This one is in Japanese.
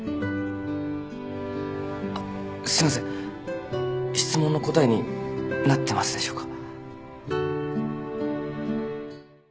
あっすいません質問の答えになってますでしょうか。